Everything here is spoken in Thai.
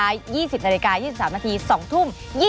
๒๐นาฬิกา๒๓นาที๒ทุ่ม